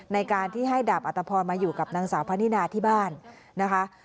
ในการที่ให้ดาบอัตภพรมาอยู่กับนางสาวพะนินาที่บ้านนะคะ